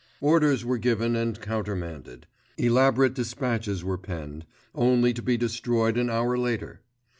Orders were given and countermanded; elaborate dispatches were penned, only to be destroyed an hour later.